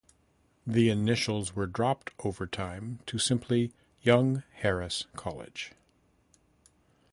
The initials were dropped over time to simply, Young Harris College.